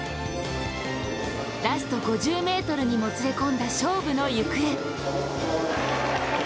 ラスト５０ｍにもつれ込んだ勝負の行方。